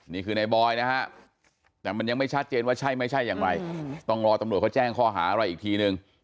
นี่คือในบอยนะฮะแต่มันยังไม่ชัดเจนว่าใช่ไม่ใช่อย่างไรต้องรอตำรวจเขาแจ้งข้อหาอะไรอีกทีนึง